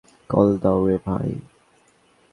Call দাও রে ভাই!